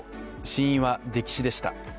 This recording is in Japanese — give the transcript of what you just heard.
死因は、溺死でした。